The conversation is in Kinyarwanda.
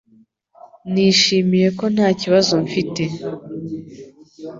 Nishimiye ko nta kibazo mfite